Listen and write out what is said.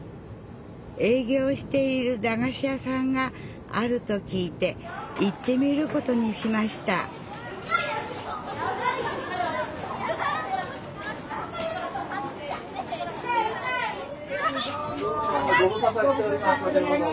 営業しているだがし屋さんがあると聞いて行ってみることにしましたどうも。